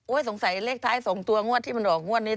สงสัยเลขท้าย๒ตัวงวดที่มันออกงวดนี้